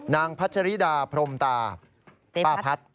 นางพัชริดาพรมตาป้าพัท